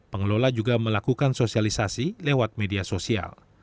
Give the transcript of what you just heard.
pengelola juga melakukan sosialisasi lewat media sosial